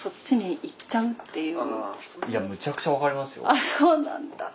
あっそうなんだ。